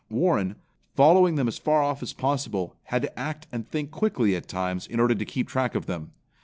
Warren, following them as far off as possible, had to act and think quickly at times in order to keep track of them.